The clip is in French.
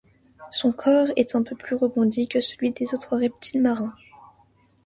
Son corps est un peu plus rebondi que celui des autres reptiles marins.